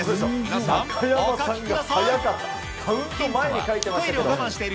皆さん、お書きください。